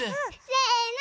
せの！